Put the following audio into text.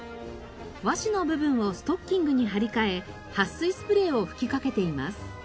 和紙の部分をストッキングに張り替えはっ水スプレーを吹きかけています。